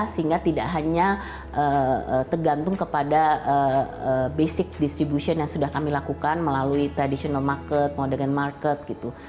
sehingga tidak hanya tergantung kepada basic distribution yang sudah kami lakukan melalui traditional market modern market gitu